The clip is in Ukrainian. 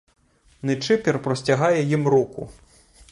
Ничипір простягає їм руку.